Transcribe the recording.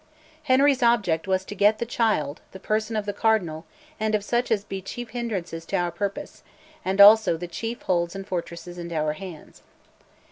Henry's object was to get "the child, the person of the Cardinal, and of such as be chief hindrances to our purpose, and also the chief holds and fortresses into our hands."